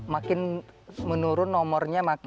makin menurun nomornya makin